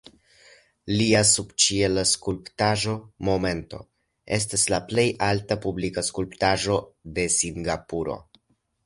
Lia subĉiela skulptaĵo "Momento" estas la plej alta publika skulptaĵo de Singapuro.